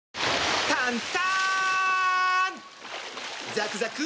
ザクザク！